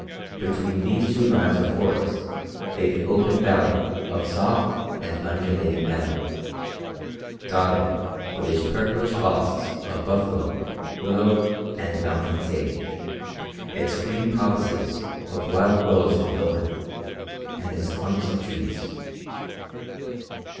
Between these two lines of forest lay the open valley of soft and undulating meadow, dotted with its purplish bosks of buffalo , willow , and mountain sage, its green coppices of wild rose and thorn, and its clumps of trees.